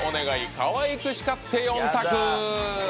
かわいく叱って４択！」。